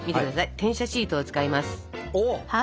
転写シートを使います。